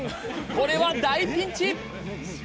これは大ピンチ！